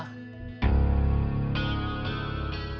cecep ada masalah